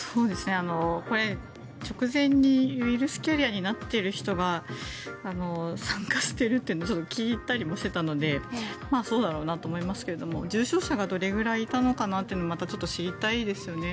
これ、直前にウイルスキャリアになっている人が参加しているっていうのを聞いたりもしていたのでそうだろうなと思いますけど重症者がどれぐらいいたのかなというのもまたちょっと知りたいですよね。